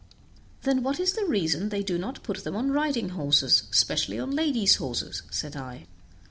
"Then what is the reason they do not put them on riding horses; especially on ladies' horses?" said I.